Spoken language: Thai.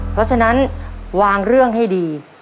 เพราะฉะนั้นวางเรื่องให้ดี